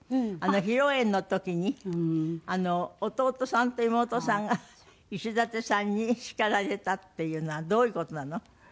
披露宴の時に弟さんと妹さんが石立さんに叱られたっていうのはどういう事なの？